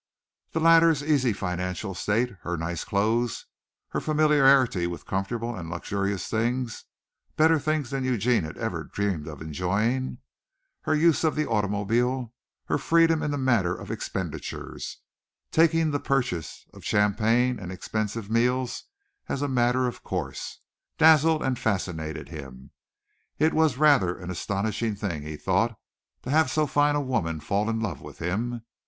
The latter's easy financial state, her nice clothes, her familiarity with comfortable and luxurious things better things than Eugene had ever dreamed of enjoying her use of the automobile, her freedom in the matter of expenditures taking the purchase of champagne and expensive meals as a matter of course dazzled and fascinated him. It was rather an astonishing thing, he thought, to have so fine a woman fall in love with him.